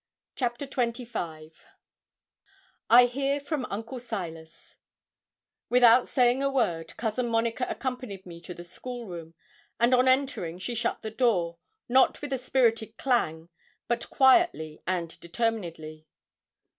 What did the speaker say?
CHAPTER XXV I HEAR FROM UNCLE SILAS Without saying a word, Cousin Monica accompanied me to the school room, and on entering she shut the door, not with a spirited clang, but quietly and determinedly.